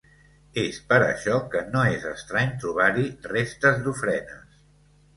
És per això que no és estrany trobar-hi restes d'ofrenes.